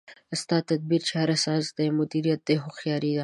ستا تدبیر چاره سازي ده، مدیریت دی هوښیاري ده